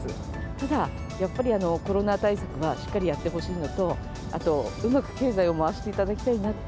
ただ、やっぱりコロナ対策はしっかりやってほしいのと、あと、うまく経済を回していただきたいなって。